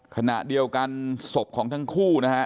ขณะเดียวกันศพของทั้งคู่นะฮะ